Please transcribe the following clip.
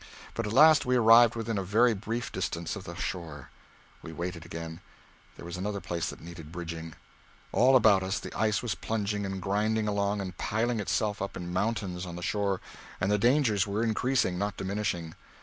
But at last we arrived within a very brief distance of the shore. We waited again; there was another place that needed bridging. All about us the ice was plunging and grinding along and piling itself up in mountains on the shore, and the dangers were increasing, not diminishing.